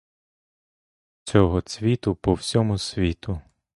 Цього цвіту — по всьому світу!